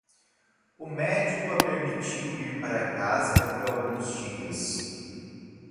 O médico a permitiu ir para casa por alguns dias.